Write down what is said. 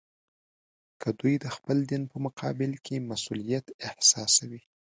که دوی د خپل دین په مقابل کې مسوولیت احساسوي.